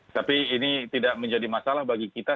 tapi ini tidak menjadi masalah bagi kita